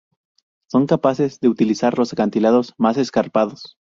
Son capaces de utilizar los acantilados más escarpados.